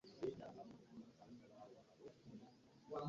Nja kumugamba nti obadde onkwana.